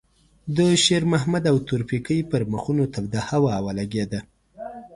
د شېرمحمد او تورپيکۍ پر مخونو توده هوا ولګېده.